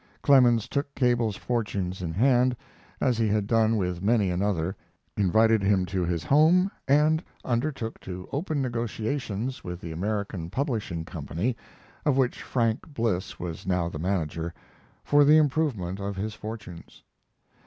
Clemens took Cable's fortunes in hand, as he had done with many another, invited him to his home, and undertook to open negotiations with the American Publishing Company, of which Frank Bliss was now the manager, for the improvement of his fortunes.